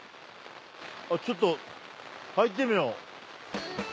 ちょっと入ってみよう！